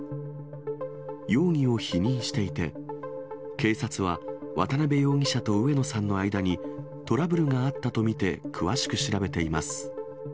容疑を否認していて、警察は渡部容疑者と上野さんの間に、トラブルがあったと見て、詳しく調べています。